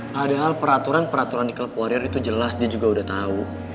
padahal peraturan peraturan di club warrior itu jelas dia juga udah tahu